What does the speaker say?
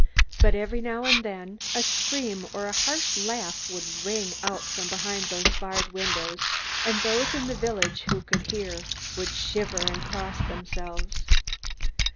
But every now and then a scream or a harsh laugh would ring out from behind those barred windows, and those in the village who could hear, would shiver and cross themselves.